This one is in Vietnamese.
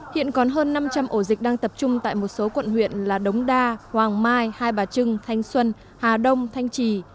hiện còn hơn năm trăm linh ổ dịch đang tập trung tại một số quận huyện là đống đa hoàng mai hai bà trưng thanh xuân hà đông thanh trì